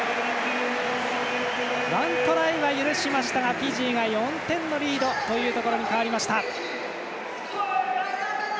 １トライは許しましたがフィジーが４点のリードというところに変わりました。